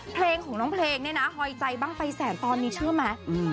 เพลงของน้องเพลงนี่นะตอนนี้เชื่อไหม